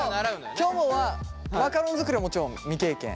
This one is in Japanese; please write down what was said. きょもはマカロン作りはもちろん未経験。